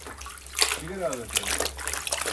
Sigara alacağım.